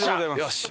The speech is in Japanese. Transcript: よし！